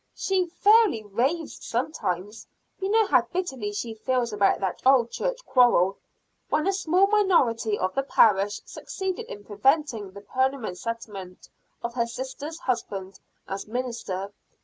"She fairly raves sometimes. You know how bitterly she feels about that old church quarrel, when a small minority of the Parish succeeded in preventing the permanent settlement of her sister's husband as minister.